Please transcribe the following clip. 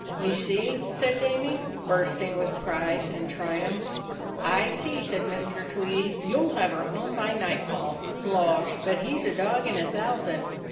"You see!" said Jamie, bursting with pride and triumph. "I see," said Mr. Tweedie. "You'll have her home by nightfall. Losh! but he 's a dog in a thousand.